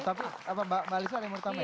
tapi mbak alisa ada yang mau ditanyakan